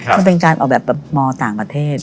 มันเป็นการเอาแบบมต่างประเทศ